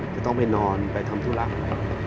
ไม่ต้องไปนอนไปทำทุลักษณ์